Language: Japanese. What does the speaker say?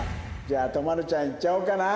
じゃあ都丸ちゃんいっちゃおうかな。